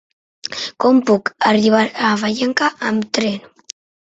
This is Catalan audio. Com puc arribar a Vallanca amb tren?